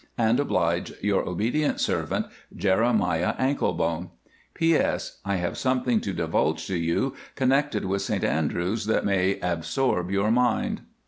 And oblige, Your obedient servant, JEREMIAH ANKLEBONE. P.S.—I have something to divulge to you connected with St Andrews that may absorb your mind.